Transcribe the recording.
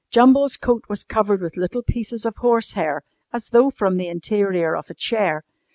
Jumble's coat was covered with little pieces of horsehair, as though from the interior of a chair.